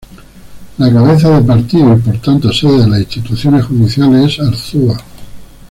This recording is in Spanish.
La cabeza de partido y por tanto sede de las instituciones judiciales es Arzúa.